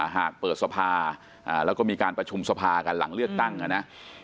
หากเปิดสภาแล้วก็มีการประชุมสภากันหลังเลือกตั้งนะ